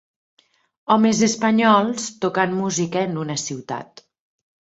Homes espanyols tocant música en una ciutat.